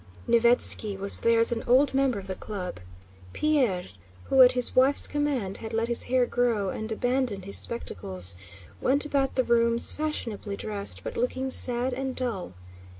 Nesvítski was there as an old member of the club. Pierre, who at his wife's command had let his hair grow and abandoned his spectacles, went about the rooms fashionably dressed but looking sad and dull.